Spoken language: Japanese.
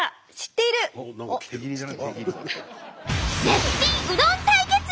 絶品うどん対決！